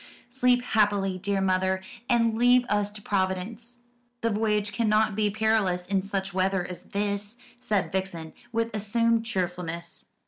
"Sleep happily, dear mother, and leave us to Providence. The voyage cannot be perilous in such weather as this," said Vixen, with assumed cheerfulness.